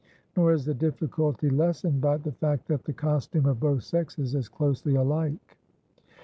Nor is the difficulty lessened by the fact that the costume of both sexes is closely alike.